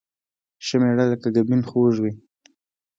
ښه مېړه لکه ګبين خوږ وي